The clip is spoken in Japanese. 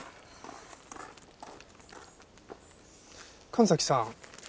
神崎さん。